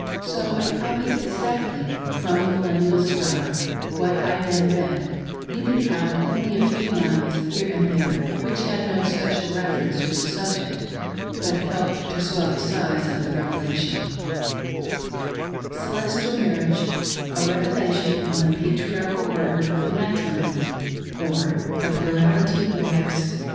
So I copy exactly from the Millennial StcOr, what I then read, leaving out only a few hnes here and there, which had no special reference to the subject, but helped to swell the size of the "revelation :" CELESTIAL MARRIAGE : A REVELATION ON THE PATRIARCHAL ORDER OF MATRIMONY, OR PLURALITY OF WIVES.